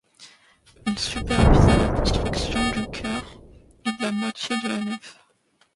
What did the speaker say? Il supervisa la construction du chœur et de la moitié de la nef.